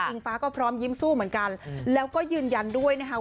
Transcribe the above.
ฟ้าก็พร้อมยิ้มสู้เหมือนกันแล้วก็ยืนยันด้วยนะคะ